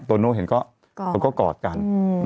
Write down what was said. โน่เห็นเขาก็กอดกัน